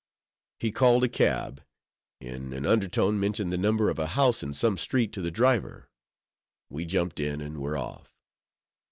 He called a cab: in an undertone mentioned the number of a house in some street to the driver; we jumped in, and were off.